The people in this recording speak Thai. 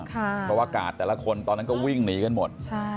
เพราะว่ากาดแต่ละคนตอนนั้นก็วิ่งหนีกันหมด